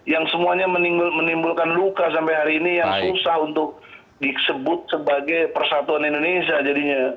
yang semuanya menimbulkan luka sampai hari ini yang susah untuk disebut sebagai persatuan indonesia jadinya